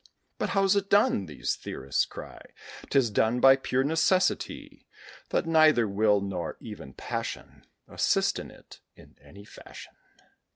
"But how's it done?" These theorists cry, 'Tis done by pure necessity; That neither will nor even passion Assist in it, in any fashion.